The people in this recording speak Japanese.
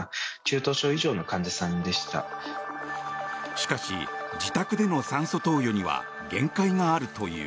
しかし、自宅での酸素投与には限界があるという。